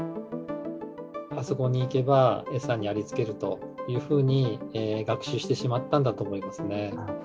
あそこに行けば、餌にありつけるというふうに、学習してしまったんだと思いますね。